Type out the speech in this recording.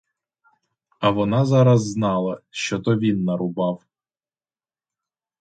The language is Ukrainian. А вона зараз знала, що то він нарубав!